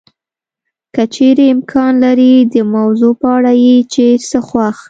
که چېرې امکان لري د موضوع په اړه یې چې څه خوښ